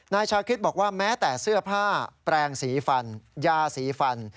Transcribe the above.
นายชาคริสบอกว่าแม้แต่เสื้อผ้าแปลงสีฟันยาสีฟัน